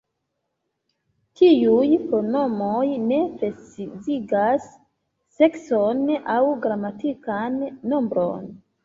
Tiuj pronomoj ne precizigas sekson aŭ gramatikan nombron.